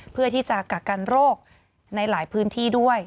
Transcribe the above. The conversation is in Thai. เพื่อที่จะกักกันโรคในหลายพื้นที่ด้วย